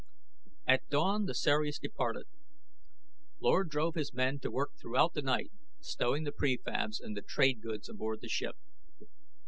At dawn the Ceres departed. Lord drove his men to work throughout the night stowing the prefabs and the trade goods aboard the ship.